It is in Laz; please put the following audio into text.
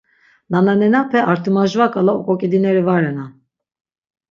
Nananenape artimajva k̆ala ok̆ok̆idineri va renan.